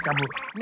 ね。